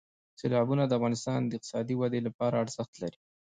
سیلابونه د افغانستان د اقتصادي ودې لپاره ارزښت لري.